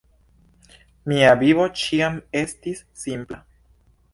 Mia vivo ĉiam estis simpla.